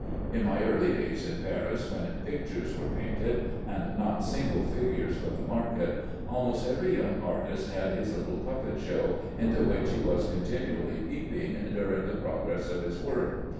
In my early days in Paris, when pictures were painted, and not single figures for the market, almost every young artist had his little puppet show, into which he was continually peeping during the progress of his work.